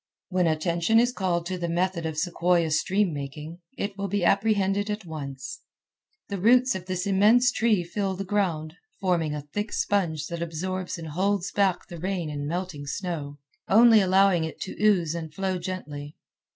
When attention is called to the method of sequoia stream making, it will be apprehended at once. The roots of this immense tree fill the ground, forming a thick sponge that absorbs and holds back the rain and melting snow, only allowing it to ooze and flow gently.